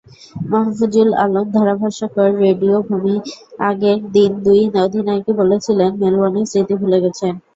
মাহফুজুল আলম, ধারাভাষ্যকার, রেডিও ভূমিআগের দিন দুই অধিনায়কই বলেছিলেন, মেলবোর্নের স্মৃতি ভুলে গেছেন।